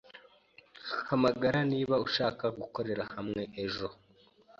Hamagara niba ushaka gukorera hamwe ejo.